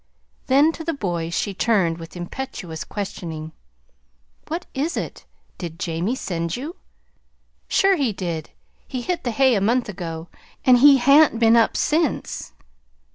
Then to the boy she turned with impetuous questioning. "What is it? Did Jamie send you?" "Sure he did. He hit the hay a month ago, and he hain't been up since."